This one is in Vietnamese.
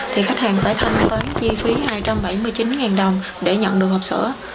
thì khách hàng phải thanh toán chi phí hai trăm bảy mươi chín đồng để nhận được học sữa